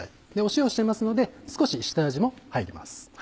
塩をしてますので少し下味も入ります。